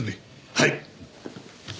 はい！